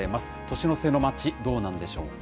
年の瀬のまち、どうなんでしょう